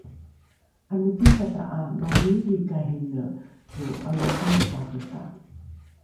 ’anokisata ’a mariiridharekaine lo ’anosangepareta?